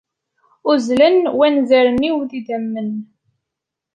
Uzzlen wanzaren-iw d idammen